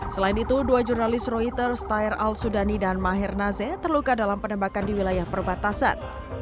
selain itu dua jurnalis reuter stayer al sudani dan maher naze terluka dalam penembakan di wilayah perbatasan